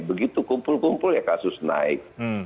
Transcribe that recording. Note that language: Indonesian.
begitu kumpul kumpul ya kasus naik